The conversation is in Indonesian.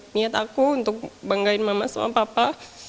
niat aku untuk banggain mama sama papa